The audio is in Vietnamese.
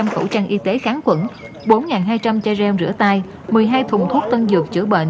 bốn hai trăm linh khẩu trang y tế kháng quẩn bốn hai trăm linh chai reo rửa tay một mươi hai thùng thuốc tân dược chữa bệnh